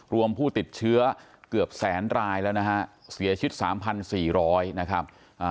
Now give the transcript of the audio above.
ผู้ติดเชื้อเกือบแสนรายแล้วนะฮะเสียชีวิต๓๔๐๐นะครับ